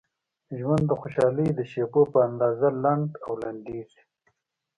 ژوند د خوشحالۍ د شیبو په اندازه لنډ او لنډیږي.